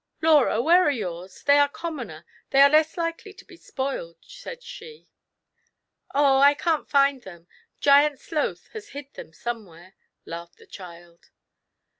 *' Laura, where are yours? they are commoner, they are less likely to be spoiled," said she. "Oh, I can't find them — Giant Sloth has hid them somewhere !" laughed the child.